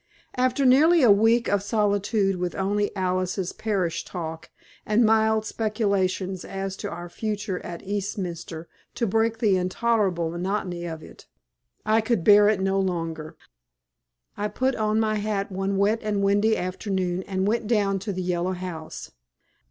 After nearly a week of solitude with only Alice's parish talk and mild speculations as to our future at Eastminster to break the intolerable monotony of it, I could bear it no longer. I put on my hat one wet and windy afternoon and went down to the Yellow House.